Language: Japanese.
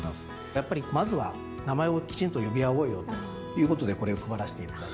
やっぱりまずは名前をきちんと呼び合おうよということでこれを配らせていただいて。